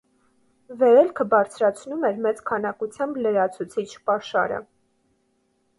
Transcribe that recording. Վերելքը բարդացնում էր մեծ քանակությամբ լրացուցիչ պաշարը։